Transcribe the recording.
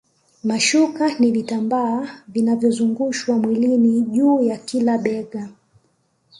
Mashuka ni vitambaa vinavyozungushwa mwilini juu ya kila bega